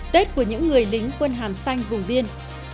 tết của những người lính quân hàm xanh vùng biên